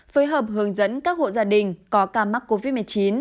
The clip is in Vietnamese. phối hợp hướng dẫn các hộ gia đình có ca mắc covid một mươi chín